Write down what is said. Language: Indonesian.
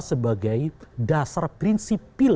sebagai dasar prinsipil